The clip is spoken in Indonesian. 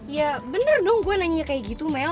ya bener dong gue nanya kayak gitu mel